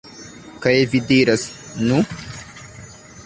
Kaj vi diras, "Nu..."